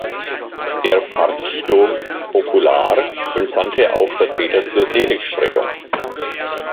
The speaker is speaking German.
Der Partido Popular entsandte auch Vertreter zur Seligsprechung.